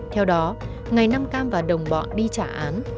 theo đó ngày năm cam và đồng bọn đi trả án